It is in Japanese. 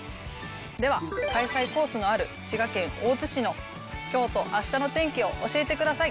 では、開催コースのある滋賀県大津市のきょうとあしたの天気を教えてください。